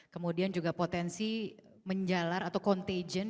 kemudian juga potensi menjalar atau contagion